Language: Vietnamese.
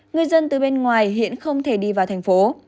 người dân từ bên ngoài hiện không thể đi vào thành phố